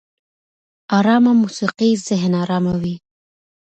ارامه موسيقي ذهن اراموي